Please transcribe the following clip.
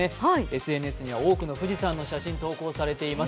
ＳＮＳには多くの富士山の写真が投稿されています。